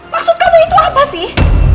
maksud kamu itu apa sih